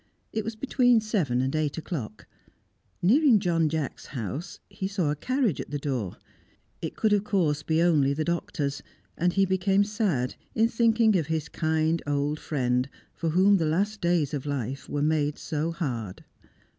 It was between seven and eight o'clock. Nearing John Jacks house, he saw a carriage at the door; it could of course be only the doctor's, and he became sad in thinking of his kind old friend, for whom the last days of life were made so hard.